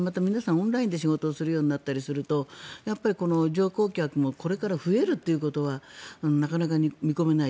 オンラインで仕事をするようになったりすると乗降客もこれから増えるということはなかなか見込めない。